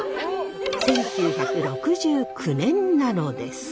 １９６９年なのです。